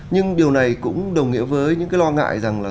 nhưng điều này cũng đồng nghĩa với những cái lo ngại rằng là